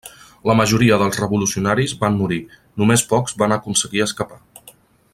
La majoria dels revolucionaris van morir, només pocs van aconseguir escapar.